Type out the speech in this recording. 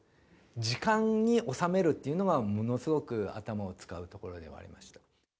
時間に収めるっていうのは、ものすごく頭を使うところではありました。